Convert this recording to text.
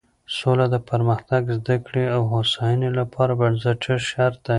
سوله د پرمختګ، زده کړې او هوساینې لپاره بنسټیز شرط دی.